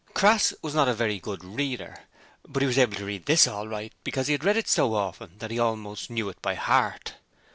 Crass was not a very good reader, but he was able to read this all right because he had read it so often that he almost knew it by heart.